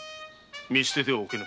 見捨ててはおけぬ。